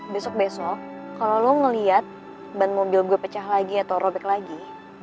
besok besok kalau lo ngelihat ban mobil gue pecah lagi atau robek lagi